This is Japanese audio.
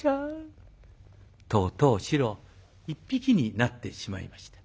とうとう白一匹になってしまいました。